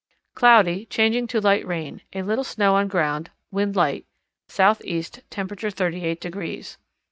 Cloudy, changing to light rain; a little snow on ground; wind light, south east; temperature 38 degrees.